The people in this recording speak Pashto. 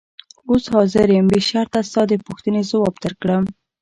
اوس حاضر یم بې شرطه ستا د پوښتنې ځواب درکړم.